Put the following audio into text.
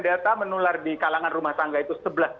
data menular di kalangan rumah tangga itu